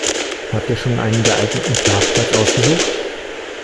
Habt ihr schon einen geeigneten Schlafplatz ausgesucht?